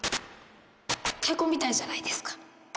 太鼓みたいじゃないですか！